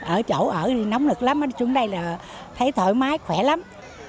ở chỗ ở thì nóng lực lắm ở trong đây là thấy thoải mái khỏe lắm